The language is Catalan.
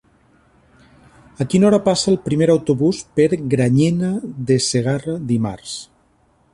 A quina hora passa el primer autobús per Granyena de Segarra dimarts?